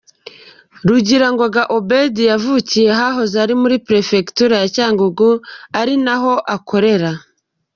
Rugirangoga Ubald yavukiye ahahoze ari muri Perefegitura ya Cyangugu ari naho akorera.